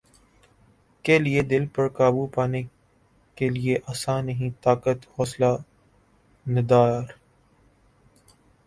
کے لیے دل پر قابو پانے کیلئے آسان نہیں طاقت حوصلہ ندارد